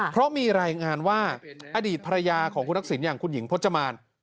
เพราะมีรายงานว่าอดีตภรรยาของคุณทักษิณอย่างคุณหญิงพจมาน